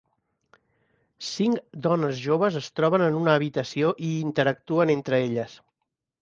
Cinc dones joves es troben en una habitació i interactuen entre elles.